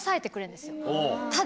ただ。